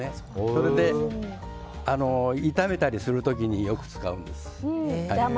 それで炒めたりする時によく使うんです。